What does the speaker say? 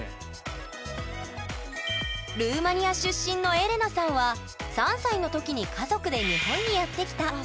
長いね。のエレナさんは３歳の時に家族で日本にやって来た。